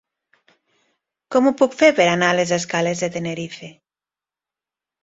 Com ho puc fer per anar a les escales de Tenerife?